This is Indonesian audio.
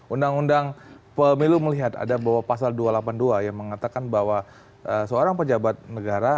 undang undang pemilu melihat ada bahwa pasal dua ratus delapan puluh dua yang mengatakan bahwa seorang pejabat negara